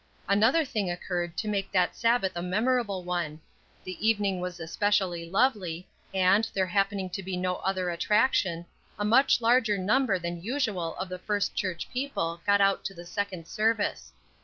Another thing occurred to make that Sabbath a memorable one. The evening was especially lovely, and, there happening to be no other attraction, a much larger number than usual of the First Church people got out to the second service.